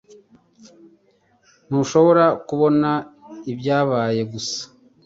Ntushobora kubona ibyabaye gusa?